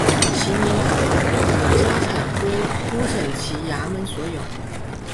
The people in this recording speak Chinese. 席尼喇嘛的家产归乌审旗衙门所有。